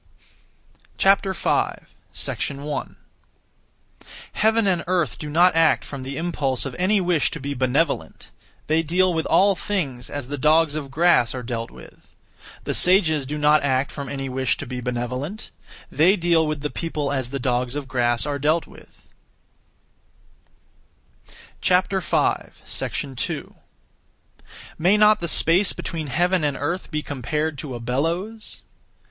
5. 1. Heaven and earth do not act from (the impulse of) any wish to be benevolent; they deal with all things as the dogs of grass are dealt with. The sages do not act from (any wish to be) benevolent; they deal with the people as the dogs of grass are dealt with. 2. May not the space between heaven and earth be compared to a bellows?